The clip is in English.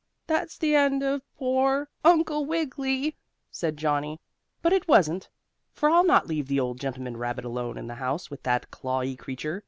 "That's the end of poor Uncle Wiggily!" said Johnnie. But it wasn't. For I'll not leave the old gentleman rabbit alone in the house with that clawy creature.